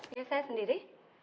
iya saya sendiri